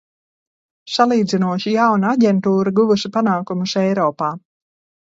Salīdzinoši jauna aģentūra guvusi panākumus Eiropā.